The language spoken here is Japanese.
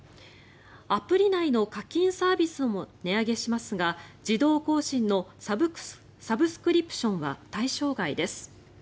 アプリ内の課金サービスも値上げしますが自動更新のサブスクリプションは対象外です。